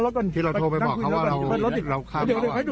เอาเอาเอาเอาเอาเอาเอาเอาเอาเอาเอาเอาเอาเอาเอาเอาเอาเอา